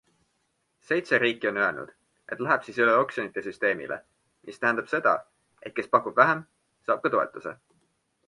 Seitse riiki on öelnud, et läheb siis üle oksjonite süsteemile, mis tähendab seda, et kes pakub vähem, saab ka toetuse.